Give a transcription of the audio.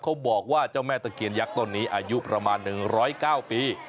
เขาบอกว่าเจ้าแม่ตะเคียนยักษ์ต้นนี้อายุประมาณ๑๐๙ปี